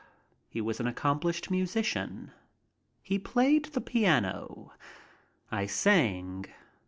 He was an accomplished musician. He played the piano. I sang.